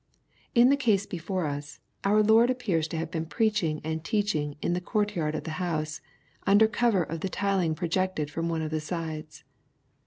In the case before us, our Lord appears to have been preaching and teaching in the court yard of the house, under cover of the tiling projecting from one of the sides.